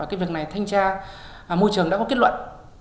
cái việc này thanh tra môi trường đã có kết luận